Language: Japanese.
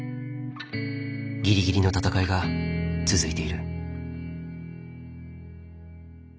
ギリギリの闘いが続いている。